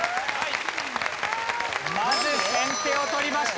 まず先手を取りました